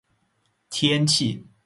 天气